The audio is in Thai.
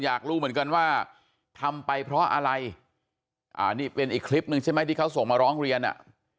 อยากรู้เหมือนกันว่าทำไปเพราะอะไรอ่านี่เป็นอีกคลิปหนึ่งใช่ไหมที่เขาส่งมาร้องเรียนอ่ะ